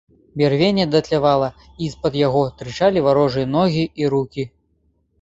Бярвенне датлявала, і з-пад яго тырчалі варожыя ногі і рукі.